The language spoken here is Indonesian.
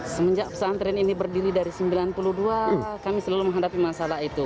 semenjak pesantren ini berdiri dari sembilan puluh dua kami selalu menghadapi masalah itu